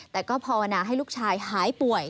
แต่ก็ภาวนาให้ลูกชายหายป่วย